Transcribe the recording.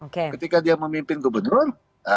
ketika dia memimpin gubernur